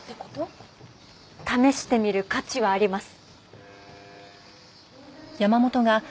試してみる価値はあります。